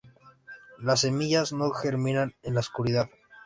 Las semillas no germinan en la oscuridad.